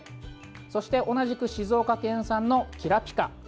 そして、同じく静岡県産のきらぴ香。